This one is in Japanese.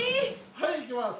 はいいきます！